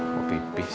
yaudah saya nanya